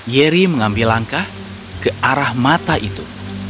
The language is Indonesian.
yeri mengambil langkah ke arah mata itu